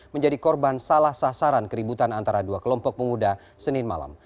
menjadi korban salah sasaran keributan antara dua kelompok pemuda senin malam